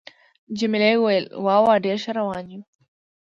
جميلې وويل:: وا وا، ډېر ښه روان یو.